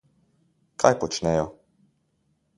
Kaj počnejo?